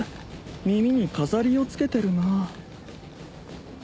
耳に飾りを着けてるな